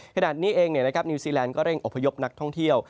ขณะนี้เองนิวซีแลนดก็เร่งอพยพนักท่องเที่ยว